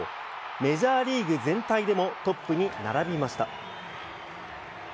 メジャーリーグ全体でもトップに並びました。